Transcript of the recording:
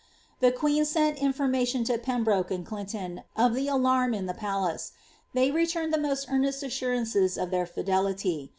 The queen sent information to Pembroke and Clinton of the alarm in the palace. They returned the most earnest assurances of their fidelity.